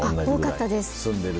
多かったです。